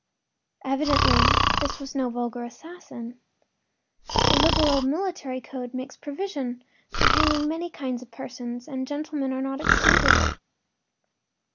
Evidently this was no vulgar assassin. The liberal military code makes provision for hanging many kinds of persons, and gentlemen are not excluded.